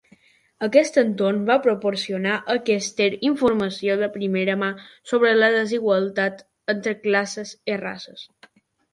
Aquest entorn va proporcionar a Kester informació de primera mà sobre la desigualtat entre classes i races.